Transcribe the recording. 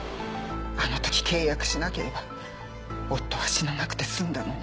あの時契約しなければ夫は死ななくて済んだのに。